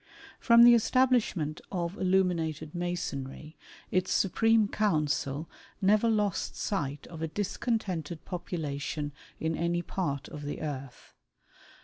From the establishment of Illuminated Masonry, its Supreme Council never lost sight of a discontented population in any part of the earth.